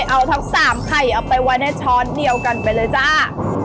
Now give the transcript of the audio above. เอาทั้ง๓ไข่เอาไปไว้ในช้อนเดียวกันไปเลยจ้า